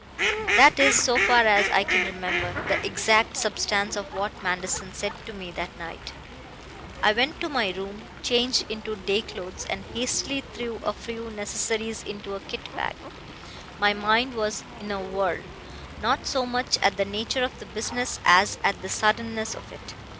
"That is, so far as I can remember, the exact substance of what Manderson said to me that night. I went to my room, changed into day clothes, and hastily threw a few necessaries into a kit bag. My mind was in a whirl, not so much at the nature of the business as at the suddenness of it.